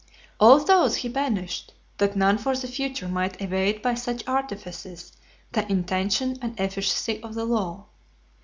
All those he banished, that none for the future might evade by such artifices the intention and efficacy of the law.